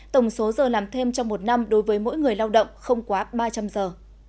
tổng số giờ làm thêm trong một năm đối với mỗi người lao động không quá ba trăm linh giờ